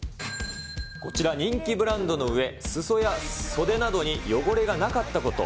こちら、人気ブランドのうえ、裾や袖などに汚れがなかったこと。